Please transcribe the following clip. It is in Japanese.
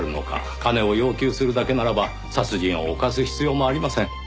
金を要求するだけならば殺人を犯す必要もありません。